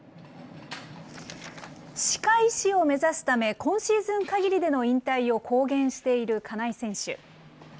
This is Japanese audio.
歯科医師を目指すため、今シーズン限りでの引退を公言している金井選手。